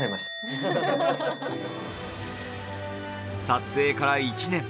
撮影から１年。